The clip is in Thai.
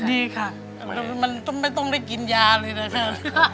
ดีค่ะมันไม่ต้องได้กินยาเลยนะเธอ